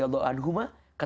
ada dua mata